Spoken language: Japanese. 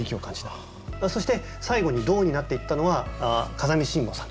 そして最後に「動」になっていったのは風見しんごさん。